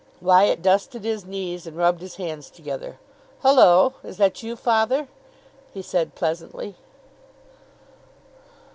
Wyatt dusted his knees, and rubbed his hands together. "Hullo, is that you, father!" he said pleasantly.